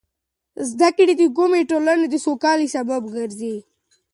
زده کړه د کومې ټولنې د سوکالۍ سبب ګرځي.